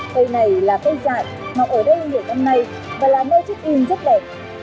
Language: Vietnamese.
cây này là cây dại mọc ở đây nhiều năm nay và là nơi trích yên rất đẹp